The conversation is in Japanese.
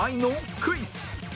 クイズ